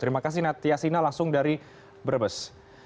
terima kasih natiasina langsung dari brebes